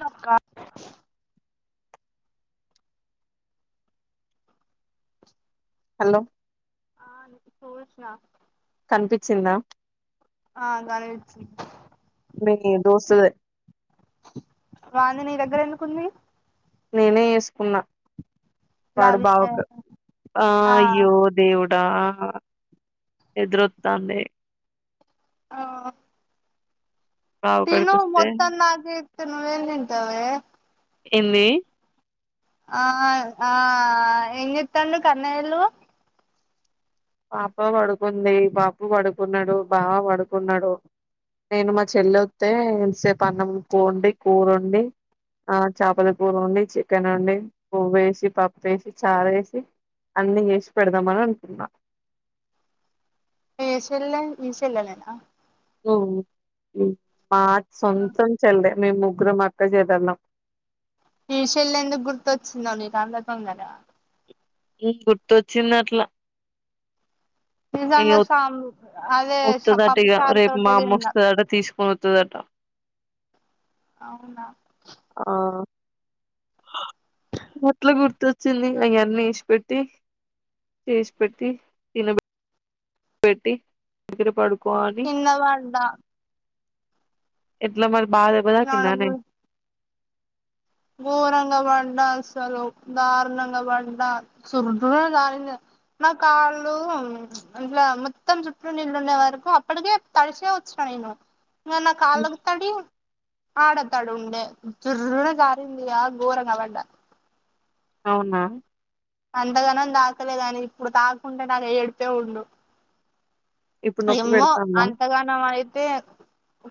తక్క [unintelligible] హలో ఆ చూషినా కనిపించిందా ఆ గాని మీ దోస్తు దే వాంది నీ దగ్గర ఎందుకుంది నేనే వేసుకున్నా వాడు లావి బావక్ ఆ అయ్యో దేవుడా ఎదురొతాందే ఆ బావ కాడికి తిను వస్తే మొత్తం నాకె ఇత్తే నువేం తింటావే ఏంది ఆ ఆ ఏంజేత్తండు కన్నయలు పాప పడుకుంది బాపు పడుకున్నాడు బావ పడుకున్నాడు నేను మా చెల్ల వత్తె ఇంతసేపు అన్నం వండి కూరోండి ఆ చేపల కూర వండి చికెన్ వండి బువ్వేసి పప్పు ఏసి చారేసి అన్ని చేేసి పెడదామని అనుకున్నా ఏషెల్లె ఈచెల్లెనేనా ఊ మా సొంతం చెల్లె మేం ముగ్గురం అక్క చెల్లెళ్ళం ఈ చెల్లి ఎందుకు గుర్తొచ్చిందో నీకు అంత తొందర ఉ గుర్తోచ్చింది అట్లా నిజంగ ఇగ సాంలు అదే వత్తదట పప్పు ఇగ చారు రేపు తోటే మా అమ్మ తిన్నా వస్తదట తీసుకొని వత్తదట అవునా ఆ అట్ల గుర్తొచ్చింది ఇంక అన్ని ఇసి పెట్టి ఏసి పెట్టి తిన పెట్టి దగ్గర పడుకో అని కింద పడ్డా ఎట్లా మరి బాగా దెబ్బ తాకిందానే నడుము ఘోరంగా పడ్డా అసలు దారుణంగా పడ్డా చు దాని నా కాళ్ళు అట్లా మొత్తం చుట్టూ నీళ్ళుండే వరకు అప్పటికే తడిసే వచ్చిన నేను ఇంక నా కాళ్ళకు తడి ఆడ తడి ఉండే జుర్రు న జారి ంది ఆ గోరంగ పడ్డా అవునా అంతగానం తాకలేదు అని ఇప్పుడు తాకుంటే నాక ఏడుపే ఉండు ఇప్పుడు నొప్పి ఏమో పెడతాందా అంతగానం అయితే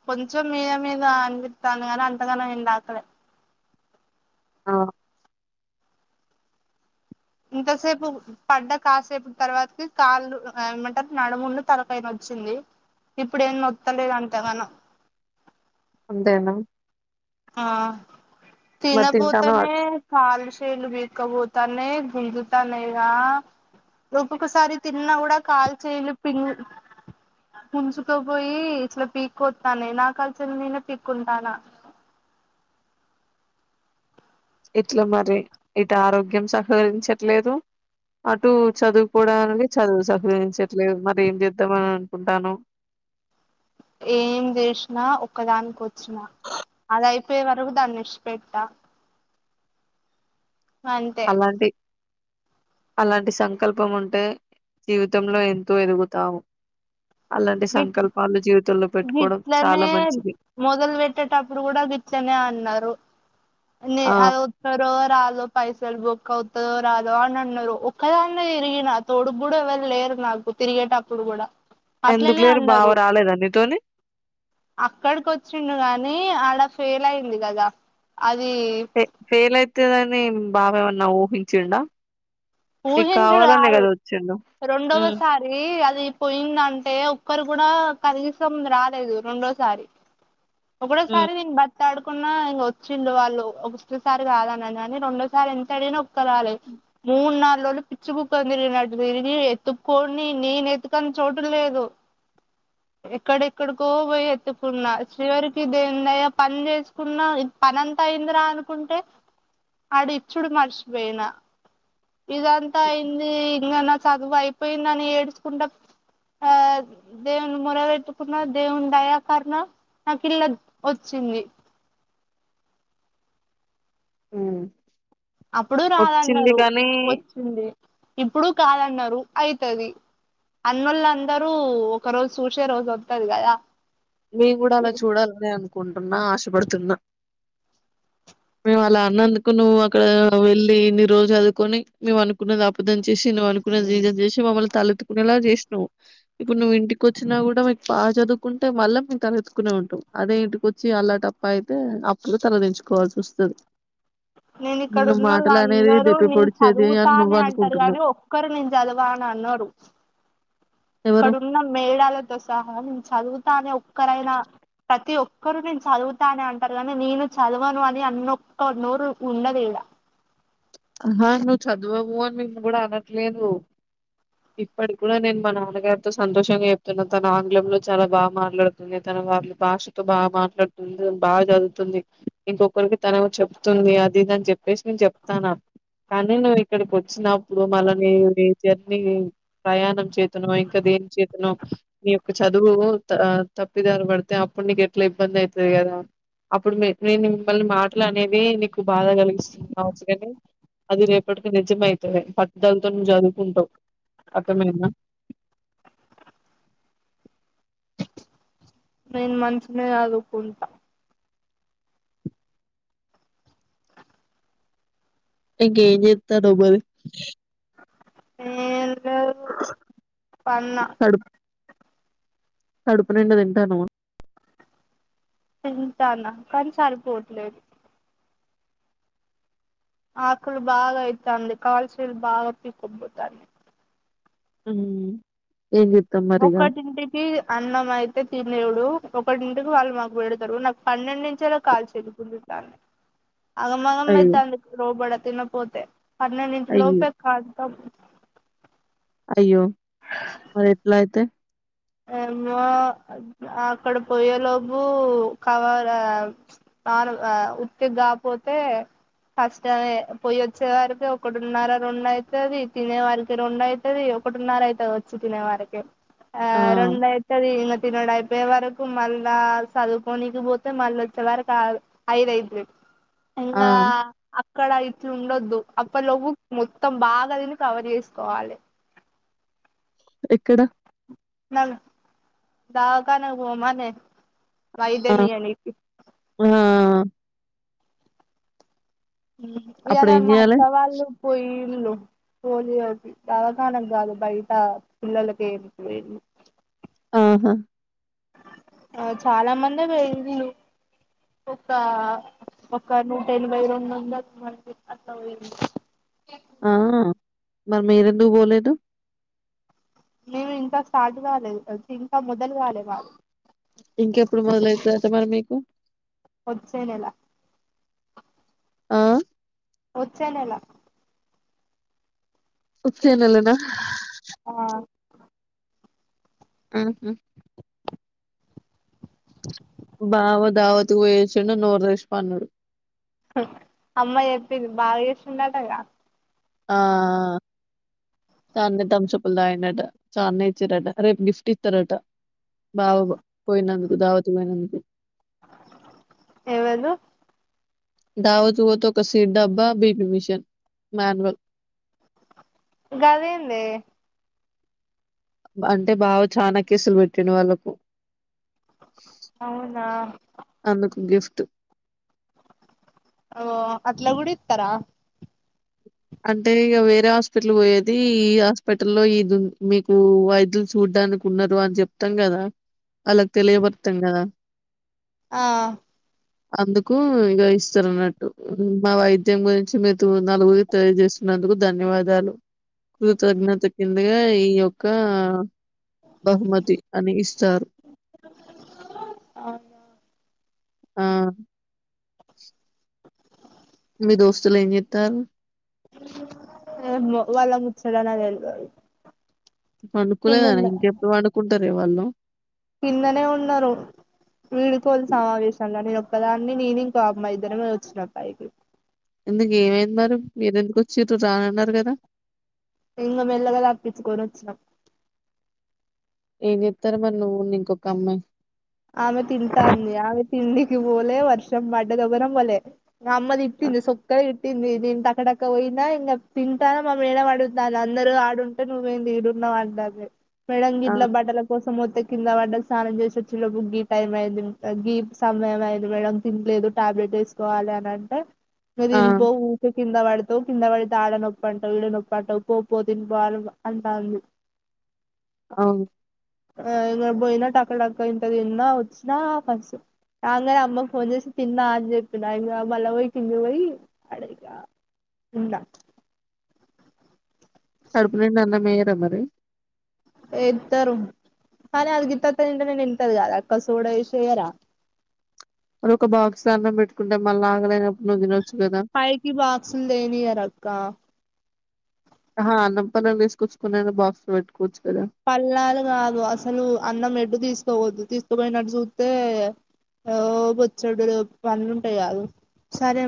కొంచెం మీద మీద అనిపిస్తాంది గానీ అంతగాన నేం తాకలే ఆ ఇంతసేపు పడ్డ కాసేపు తర్వాతకి కాళ్ళు ఏమంటారు నడుములు తలకాయి నొచ్చింది ఇప్పుడు ఏం నొత్తలేదు అంతగాను అంతేనా ఆ తిన మరి తింటానవా పోతనే కాళ్లు చేతులు బీక్కబోతానయి గుంజుతానయి ఇగా రూపకోసారి తిన్నా కూడా కాల్చలు పి ఉుంచుతో పోయి ఇట్లా పీక్ వస్తానే నా కాల్సి నేనే పీక్ ఉంటాను ఇట్లా మరి ఇటు ఆరోగ్యం సహకరించట్లేదు అటు చదువుపోవడానికి చదువు సహరించట్లేదు మరి ఏం చేద్దామ అని అనుకుంటాను ఏం చేసినా ఒక్కదానికి వచ్చినా అదయిపోయే వరకు దాన్ని ఇష్పెట్ట అంతే అలాంటి అలాంటి సంకల్పం ఉంటే జీవితంలో ఎంతో ఎదుగుతావు అలాంటి సంకల్పాలు జీవితంలో పెట్టుకోవడం గిట్లనే చాలా మంచిది మొదలు పెట్టేటప్పుడు కూడా గిట్నే అన్నారు న ఆ! అ రో రాదు పైసలు బుక్ అవుతదో రాదో అని అన్నారు ఒక్కదాని తరిగిన తోడు కూడా ఎవరు లేరు నాకు తిరిగేటప్పుడు కూడా ఎందుకు అట్లనే లేరు బావ అన్నారు రాలేద నీతోని అక్కడికి వచ్చిండు గాని అడ ఫెయిల్ అయింది కదా అది ఫెయిల్ అవుతుదని బాబ ఏమన్నా ఊహించిండా మీకు ఊహించుడు కావాలనే కదా వచ్చిడు అది అది పోయిందంటే ఒక్కరు కూడా కనీసం రాలేదు రెండోసారి హ్మ్. ఒకటోసారి నేన్ బ ఎంత ఆడుకున్నా ఇంక వచ్చిళ్ళు వాళ్ళు ఒకసారి కాదన్న కాని రెండోసారి ఎంత అడిగిన ఒక్కరాలి మూడు నాలుగు రోజులు పిచ్చు కుక్కని తిరిగినట్టు తిరిగి ఎత్తుక్కొని నేను ఎత్తుకని చూడటం లేదు ఎక్కడ ఎక్కడ పోయి ఎత్తుకున్న చిరీవరికి దేన్నయ పని చేసుకున్న పనంతా అయి్యందిరా అనుకుంటే ఆడ ఇచుడు మర్చిపోయిన ఇదంతా అయింది ఇంకా నా చదువు అయిపోయిందిని ఏడ్చుకుంటే ఆ దేవుని మొరగెట్టుకున్న దేవుని దయాకరణ నాకు ఇళ్ల వచ్చింది ఉ అప్పుడు రాదన్నారు వచ్చింది ఇప్పుడు కాదన్నారు అయితుది అన్నళ్ళందరూ ఒక రోజు చూసే రోజు వతుది కదా నేను కూడా అలా చూడాలని అనుకుంటున్నా ఆశపడుతున్నా మేము అలా అన్నందుకు నువ్వు అక్కడ వెళ్ళలి ఇన్ని రోజు చదుకొని మేము అనుకున్నది ఉం చేసి నువ్ అనుకునే చేసి మమ్మల్ని తలెత్టుకునేలా చేసినావు ఇప్పుడు నువ్వు ఇంటికి వచ్చినా కూడా మీకు బా చదువుకు అంటే మళ్ళా మేము తలెత్తుకునే ఉంటాం అదే ఇంటికొచ్చి అల్లాటప్ప అయితే అప్పుడు తరదించుకోవాల్సి వస్తుంది నేను ఇక్కడ ఉన్నళ్ళు అనేది అందరూ దెప్పి నేను పొడిచేది అని నువ్వు చదువుతానే అంటారు కాగాని అనుకుంటున్నావు ఒక్కరు నేను చదవా అని అన్నారు ఎవరు అక్కడున్న మేడాలతో సహా నేను చదువుతానే ఒక్కరైనా ప్రతి ఒక్కరుూ నేను చదువుతానే అంటారు కాగానీ నేను చదవను అని అన్నొక్క నోరు ఉండదు ఇవిడ ఆహ నువ్ చదువబుని ని కూడా అనట్లేదు ఇప్పటి కూడా నేను మా నాన్నగారితో సంతోషంగా చెప్తున్నా తన ఆంగ్ల లో చాలా బాగా మాట్లాడుతుంది తన వాారిళ భాష బాగా మాట్లాడుతుంది బాగా చదువుతుంది ఇంకొకరికి తన చెప్తుంది అదిదిని చెప్పేసి నేను చెప్తానా కానీ నువ్వు ఇక్కడికి వచ్చినప్పుడు మళ్ళాని ప్రయాణం చేతును [unintelligible] ఇంకా దేని చేతనో నీ యొక్క చదువు తప్పిదారు పడితే అప్పుడు నీకు ఎట్లా ఇబ్బంది అవుతుది కదా అప్పుడు నేను మిమ్మల్ని మాటలు అనేది నీకు బాధ కలిగిస్తుంది కావచ్చు కానీ అది రేపటికి నిజమైతది పట్టుదలతోని నువ్ చదువుకుంటావు అర్తమయ్యిందా నేను మంచిగనే చదువుకుంటా ఇంకేం చెప్తాదో మరి నేను గాదు పన్నా కడుపునిండా తింటానావా తింటాన్నా కానీ సరిపోవట్లేదు ఆకులు బాగా అయితాంది కాల్చీలు బాగా పీక్కోపోతాంది ఉమ్ ఏంజే ఒకటింటి కి అన్నమైతే తినేవుడు ఒకటింటికి వాళ్ళు మాకు పెడతారు నాకు పన్నెండు నించేలు కాల్చేలు తిరుగుతాన్నై అగం అగం అయ్యో అయితిం క్ లోబడ తినపోతే పన్నెండింటి అయ్యో లోపే కాంతం అయ్యో మరి ఎట్లా అయితే ఏమో అక్కడ పోయే లోబు కవర తారు ఆ ఉత్తిగ కాపోతే ఫష్టమే పొయ్యొచ్చే వరికి ఒకడున్నార రొండైతది తినే వరికి రొండై తది ఒకటున్నర ఐతది వచ్చి తినే వరకి ఆ రెండు ఐతుది ఇంగ తినుడు అయిపోయే వరకు కు మళ్ళా చదువుకోనీకి పోతే మళ్ళొచ్చే వరకు ఆరు ఐదైతది ఆ ఇంగా అక్కడ ఇట్లుండొద్దు అప్పటిలోపు మొత్తం బాగా తిని కవర్ చేసుకోవాలి ఎక్కడ నన్ దావుఖానాకు బోమనే ఆ వైద్యమియ్యనీకి ఆ అప్పుడు ఇయ్యాన ఏం మా చేయాలే అక్క వాళ్ళు పొయ్యిల్లు పోలియో కి దావఖానకి కాదు బయట పిళ్ళొల్లకి ఏయనీకి పోయింది ఆహా ఆ చాలా మందే పోయిల్లు ఒక ఒక నూట ఎనభై రెండొందలు మంది అట్ల పొయ్యిన్ [inaudible] ఆ ఆ మరి మీరెందు బోలేదు మేం ఇంకా స్టార్ట్ కాలేదు అ ఛీ ఇంకా మొదలు కాలేదు మాకు ఇంకెప్పుడు మొదలైతది అట మరి మీకు వొచ్చే నెల ఆ వొచ్చే నెల వొచ్చే నెలనా ఆ ఊహూ బావ దావత్తుకి పోయొచ్చిండు నోరు తెరిచి పన్నడు అమ్మ జెప్పింది బాగ జేస్తుండటగా ఆ ఆ చాల్నే థమ్ సప్లు తాగిండట చాన్నే ఇచ్చిరట రేపు గిఫ్ట్ ఇత్తారట బావుబ పోయినందుకు దావతుకు బోయినందుకు ఎవళ్ళు దావత్ బోతే ఒక సీట్ డబ్బా బీపి మిషన్ మ్యాన్ వల్ గదేందే అంటే బావ చానా కేసులు బెట్టిండు వాళ్ళకు అవునా అందుకు గిఫ్ట్ ఓ అట్ల గూడ ఇత్తరా అంటే ఇగ వేరే హాస్పిటల్ పోయేది ఈ హాస్పిటల్లో ఇదు మీకు వైద్యులు చూడ్డనుకు ఉండదు అని జెప్తాం గదా అళ్ళకి తెలియబరుతాం గదా ఆ ఆ అందుకు ఇగ ఇస్తరన్నట్టు మా వైద్యం గురించి మీ తో నలుగురి తెలియజేస్తున్నందుకు ధన్యవాదాలు కృతజ్ఞత కిందగా ఈ యొక్కా బహుమతి అని యిస్తారు అవునా ఆ [inaudible] మీ దోస్తులు ఏం జెత్తారు ఏమో వాళ్ళ ముచ్చట నాకు తెల్వదు పండుకోలేదా కిందున్న ఇంకెప్పుడు పండుకుంటారే వాళ్ళు కిందనే ఉన్నారు వీడుకోలు సమావేశంగా నేను ఒక్కదాన్ని నేను ఇంకో అమ్మాయి ఇద్దరమే వచ్చినం పైకి ఎందుకు ఏమైంది మరి మీరెందుకు వచ్చిరు రానన్నారు గదా ఇంగ మెల్లగా తప్పించుకొని వచ్చినాం ఏం జెత్తారు మరి నువ్వు ఇంకొక అమ్మాయి ఆమె తింటాంది ఆమె తిండికి బోలే వర్షం బడ్డది ఎవర్రం బోలే మా అమ్మ ఆ దిట్టింది సొక్కా ది తిట్టింది నేను టకటక బోయినా ఇంగా తింటాన మా మేడం అడుగుతాంది అందరూ ఆడుం టే నువ్వేంది ఈడున్నావ్ అంటోంది మేడం ఆ గిట్ల బట్టల కోసం వత్తె కింద బడ్డ స్నానం జేసి వచ్చెలోపు గీ టైమ్ అయింది గీ సమయం అయింది మేడం తినలేదు టాబ్లెట్ ఏసుకోవాలి అని అంటే ఇగ ఆ, దిన్ పోవు కింద బడతవ్ కింద బడితే ఆడ నొప్పంటావ్ ఈడ నొప్పంటావ్ పోపో తిన్ పో అన్ అంటాంది [inaudible] అవును ఆ ఇగ బోయినా టక టక ఇంత తిన్న వచ్చినా పస్ రాంగనే అమ్మకు ఫోన్ జేసి తిన్న అని జెప్పిన ఇంగ మళ్ళ బోయి కిందికి బోయి ఆడ ఇగా ఉండ కడుపు నిండ అన్నం ఇయ్యర మరీ ఏత్తరు కానీ అది గిత్తత్త దింటనే నింతది గదా అక్క సోడ యేషి ఎయ్యరా మరి ఒక బాక్స్ లో అన్నం బెట్టుకుంటే మళ్ళ ఆకలి అయినప్పుడు నువ్వు దినొచ్చు గదా ఫైకి బాక్సులు దేనీయరక్కా అహ అన్నం పళ్ళెం దీసుకొచ్చుకోనైనా బాక్స్ బెట్టుకోవచ్చు గదా పళ్ళాలు గాదు అసలు అన్నం ఎడ్డు తీసుపోవద్దు తీసుకుపోయినట్టు జూస్తే ఓ బొచ్చడుడు పనులుంటయ్ గాదు సరే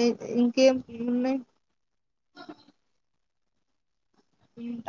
ఏం ఇంకేం ఉన్నయ్ ఉంట